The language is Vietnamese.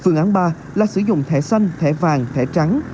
phương án ba là sử dụng thẻ xanh thẻ vàng thẻ trắng